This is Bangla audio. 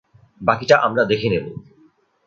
বাকিটা আমরা দেখে নেব।